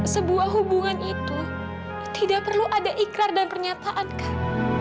sebuah hubungan itu tidak perlu ada ikrar dan pernyataan kan